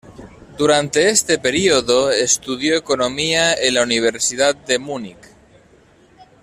Durante este período estudió economía en la Universidad de Múnich.